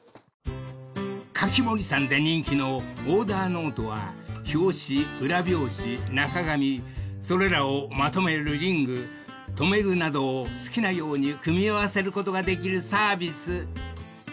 ［カキモリさんで人気のオーダーノートは表紙裏表紙中紙それらをまとめるリング留め具などを好きなように組み合わせることができるサービス］